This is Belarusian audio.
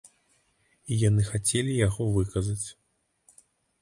І яны хацелі яго выказаць.